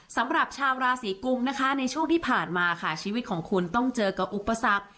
สำหรับชาวราศีกุมนะคะในช่วงที่ผ่านมาค่ะชีวิตของคุณต้องเจอกับอุปสรรค